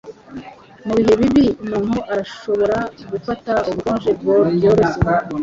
Mubihe bibi, umuntu arashobora gufata ubukonje byoroshye.